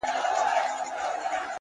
جرس زموږ د ښار د شاعرانو سهزاده دى.!